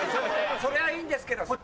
それはいいんですけど。